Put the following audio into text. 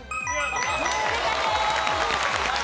正解です。